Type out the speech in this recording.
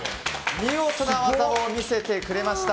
見事な技を見せてくれました。